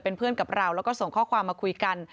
เป็นเพื่อนกับเราแล้วก็ส่งข้อความมาคุยกัน